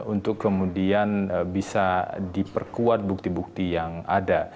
untuk kemudian bisa diperkuat bukti bukti yang ada